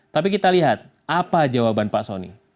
tapi kita lihat apa jawaban pak soni